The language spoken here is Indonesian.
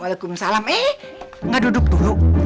waalaikumsalam eh gak duduk dulu